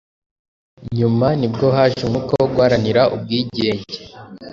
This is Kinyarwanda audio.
Nyuma ni bwo haje umwuka wo guharanira ubwigenge.